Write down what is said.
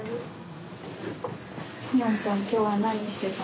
海音ちゃん今日は何してたの？